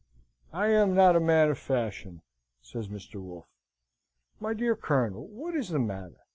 "I am not a man of fashion," says Mr. Wolfe. "My dear Colonel, what is the matter?